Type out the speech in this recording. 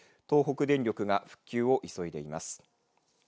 東北電力が復旧を急いでいます。